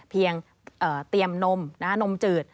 เพียงเตรียมนมนมจืด